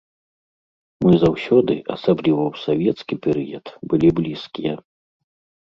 Мы заўсёды, асабліва ў савецкі перыяд, былі блізкія.